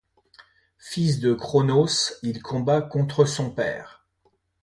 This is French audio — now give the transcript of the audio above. Fils de Cronos, il combat contre son père.